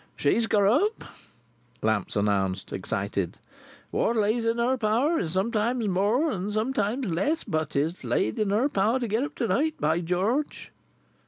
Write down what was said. "She's got up!" Lamps announced, excited. "What lays in her power is sometimes more, and sometimes less; but it's laid in her power to get up to night, by George!"